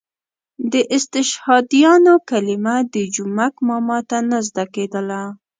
د استشهادیانو کلمه د جومک ماما ته نه زده کېدله.